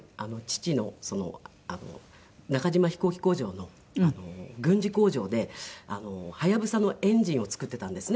中島飛行機工場の軍事工場で隼のエンジンを作ってたんですね